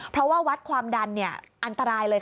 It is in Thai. เพราะว่าวัดความดันอันตรายเลยค่ะ